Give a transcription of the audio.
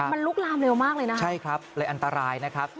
มันลุกลามเร็วมากเลยนะใช่ครับเลยอันตรายนะครับ